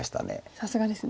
さすがですね。